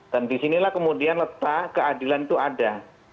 dan disinilah kemudian letak keadilan itu ada